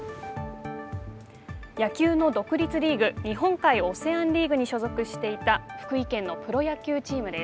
野球の独立リーグ日本海オセアンリーグに所属していた福井県のプロ野球チームです。